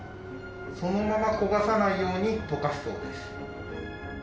そのまま焦がさないように溶かすそうです。